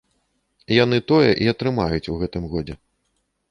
Яны тое і атрымаюць у гэтым годзе.